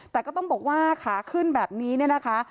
แต่ก็ต้องบอกว่าขาขึ้นแบบนี้เนี่ยนะคะ